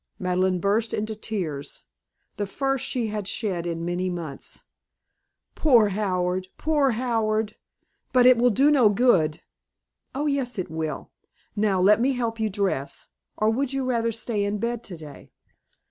Madeleine burst into tears, the first she had shed in many months. "Poor Howard! Poor Howard! But it will do no good." "Oh, yes, it will. Now, let me help you dress. Or would you rather stay in bed today?"